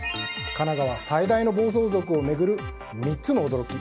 神奈川最大の暴走族を巡る３つの驚き。